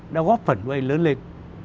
đã góp phần với anh lớn lên